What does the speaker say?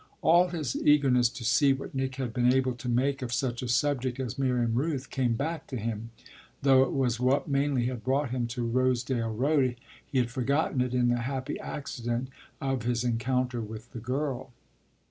All his eagerness to see what Nick had been able to make of such a subject as Miriam Rooth came back to him: though it was what mainly had brought him to Rosedale Road he had forgotten it in the happy accident of his encounter with the girl.